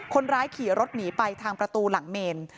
คนร้ายขี่รถหนีไปทางประตูหลังเมน